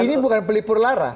ini bukan pelipur lara